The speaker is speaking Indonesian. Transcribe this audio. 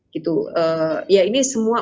gitu ya ini semua